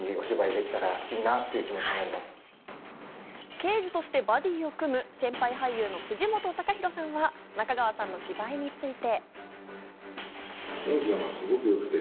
刑事としてバディを組む先輩俳優の藤本隆宏さんは中川さんの芝居について。